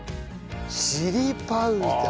チリパウダー。